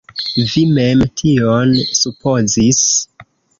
Vi mem tion supozis.